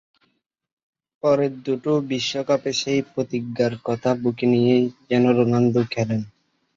পরের দুটো বিশ্বকাপে সেই প্রতিজ্ঞার কথা বুকে নিয়েই যেন রোনালদো খেললেন।